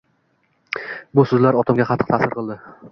Bu so'zlar otamga qattiq ta'sir qildi